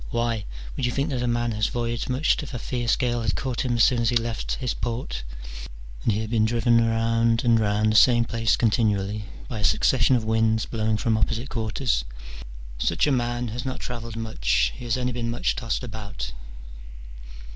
"Why ! would you think that a man had voyaged much if a fierce gale had caught him as soon as he left his port, and he had been driven round and round the same place continually by a succession of winds blowing from opposite quarters ? such a man has not travelled much, he has only been much tossed about.